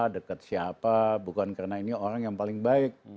deket siapa bukan karena ini orang yang paling baik